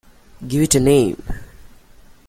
Give it a name.